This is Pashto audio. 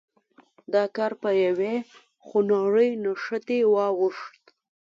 دا کار پر یوې خونړۍ نښتې واوښت.